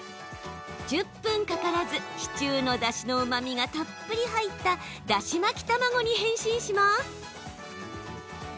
１０分かからずシチューのだしのうまみがたっぷり入っただし巻き卵に変身します。